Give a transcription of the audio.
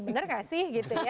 benar gak sih